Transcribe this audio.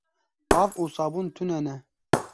Av û sabûn tune ne.